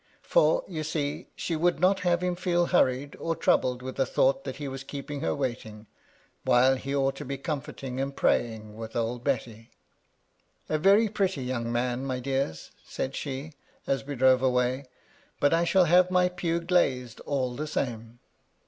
For, you see, she would not have him feel hurried or troubled with a thought that he was keeping her waiting, while he ought to be comforting and praying with old Betty. " A very pretty young man, my dears," said she, as we drove away. " But I shall have my pew glazed all the same."